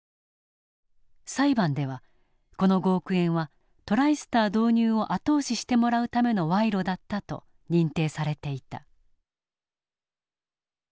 裁判ではこの５億円はトライスター導入を後押ししてもらうための賄賂だったと認定されていた。